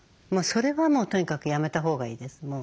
それはもうとにかくやめたほうがいいです。